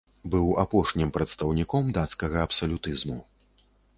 Быў апошнім прадстаўніком дацкага абсалютызму.